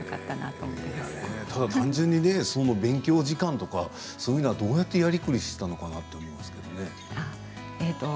ただ単純にねその、勉強時間とかそういうのは、どうやってやりくりしてたのかなって思うんですけどね。